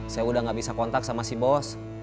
saya udah gak bisa kontak sama si bos